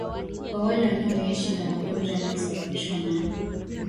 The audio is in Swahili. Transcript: kwa wale wanaoishi na magonjwa yanayosababishwa na